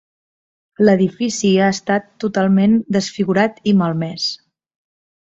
L'edifici ha estat totalment desfigurat i malmès.